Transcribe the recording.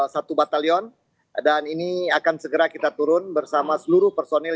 satu batalion dan ini akan segera kita turun bersama seluruh personil